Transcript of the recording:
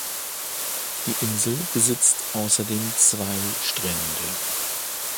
Die Insel besitzt außerdem zwei Strände.